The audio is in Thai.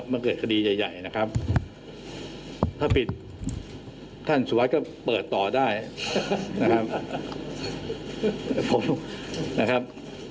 มันเกิดคดีใหญ่นะครับถ้าปิดท่านสุวัสดิ์ก็เปิดต่อได้นะครับผมนะครับ